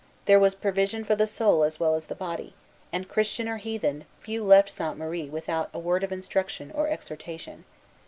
There was provision for the soul as well as the body; and, Christian or heathen, few left Sainte Marie without a word of instruction or exhortation.